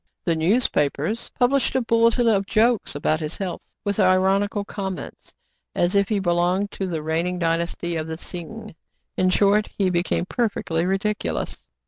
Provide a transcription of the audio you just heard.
The newspapers published a bulletin of jokes about his health with ironical comments, as if he belonged to the reigning dynasty of the Tsing. In short, he became perfectly ridiculous.